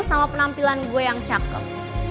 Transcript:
sama penampilan gue yang cakep